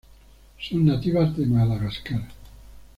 Son nativas de Madagascar.